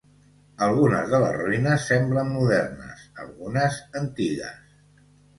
Algunes de les ruïnes semblen modernes, algunes antigues.